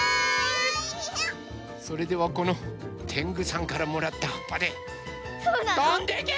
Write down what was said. それではこのてんぐさんからもらったはっぱでとんでけ！